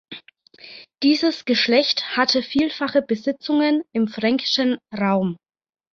Dieses Geschlecht hatte vielfache Besitzungen im fränkischen Raum.